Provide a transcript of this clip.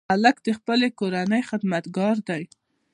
هلک د خپلې کورنۍ خدمتګار دی.